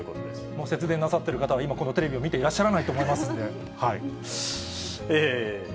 もう節電なさってる方は、今、このテレビを見ていらっしゃらないと思いますので。